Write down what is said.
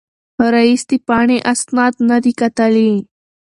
رییس د پاڼې اسناد نه دي کتلي.